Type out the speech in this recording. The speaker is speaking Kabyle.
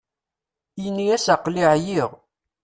Ini-as aql-i ɛyiɣ.